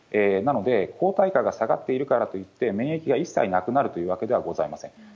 なので、抗体価が下がっているからといって、免疫が一切なくなるというわけではございません。